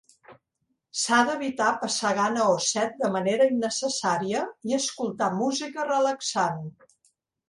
S'ha d'evitar passar gana o set de manera innecessària, i escoltar música relaxant.